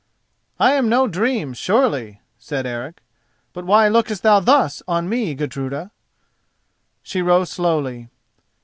"I am no dream, surely," said Eric; "but why lookest thou thus on me, Gudruda?" She rose slowly.